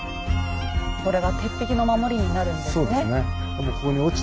これが鉄壁の守りになるんですね。